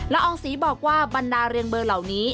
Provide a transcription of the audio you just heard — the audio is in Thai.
อองศรีบอกว่าบรรดาเรียงเบอร์เหล่านี้